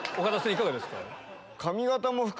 いかがですか？